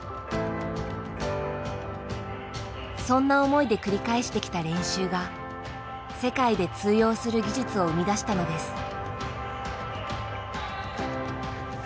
そんな思いで繰り返してきた練習が世界で通用する技術を生み出したのです。